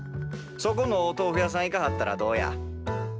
そこのお豆腐屋さん行かはったらどうや？